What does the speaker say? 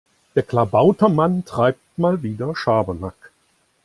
Der Klabautermann treibt mal wieder Schabernack.